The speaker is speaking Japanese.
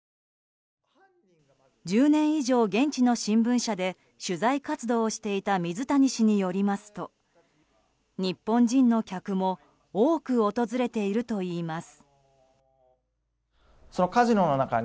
１０年以上、現地の新聞社で取材活動をしていた水谷氏によりますと日本人の客も多く訪れているといいます。